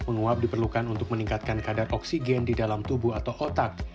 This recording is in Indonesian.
penguap diperlukan untuk meningkatkan kadar oksigen di dalam tubuh atau otak